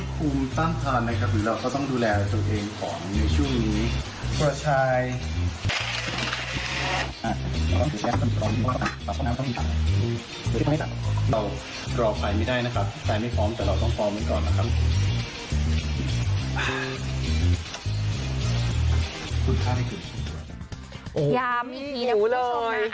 พยายามอีกนิดนึงนะคุณผู้ชมนะ